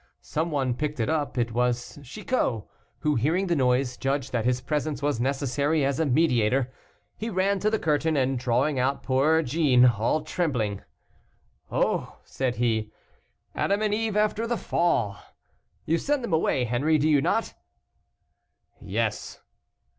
Some one picked it up; it was Chicot, who, hearing the noise, judged that his presence was necessary as a mediator. He ran to the curtain, and, drawing out poor Jeanne, all trembling "Oh!" said he, "Adam and Eve after the Fall. You send them away, Henri, do you not?" "Yes."